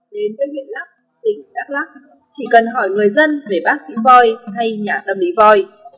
đến tây nguyên lắp tỉnh đắk lắp chỉ cần hỏi người dân về bác sĩ voi hay nhà tâm lý voi